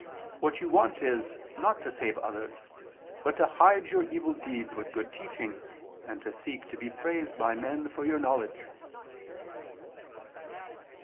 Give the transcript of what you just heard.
What you want is, not to save others, but to hide your evil deeds with good teaching, and to seek to be praised by men for your knowledge."